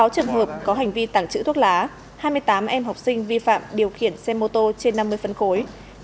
sáu trường hợp có hành vi tảng trữ thuốc lá hai mươi tám em học sinh vi phạm điều khiển xe mô tô trên năm mươi phân khối